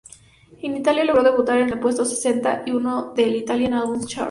En Italia, logró debutar en el puesto sesenta y uno del "Italian Albums Chart".